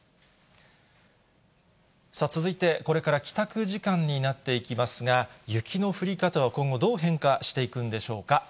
続いて、これから帰宅時間になっていきますが、雪の降り方は今後、どう変化していくんでしょうか。